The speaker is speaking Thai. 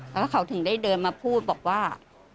แล้วเขาถึงได้เดินมาพูดบอกว่า